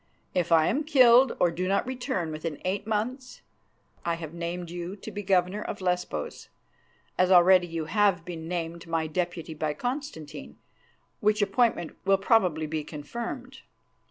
If I am killed, or do not return within eight months, I have named you to be Governor of Lesbos, as already you have been named my deputy by Constantine, which appointment will probably be confirmed."